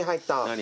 何？